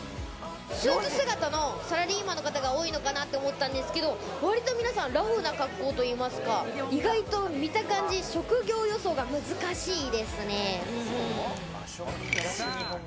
相当姿のサラリーマンの方が多いのかなと思ったんですけれど、割と皆さんラフな格好といいますか、意外と見た感じ、職業予想が難しいですね。